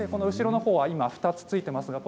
後ろのほうは２つついています。